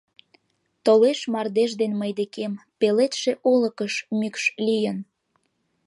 Толеш мардеж ден мый декем, — Пеледше олыкыш, мӱкш лийын.